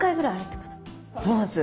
そうなんです。